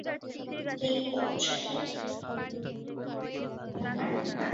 কী করছ তুমি?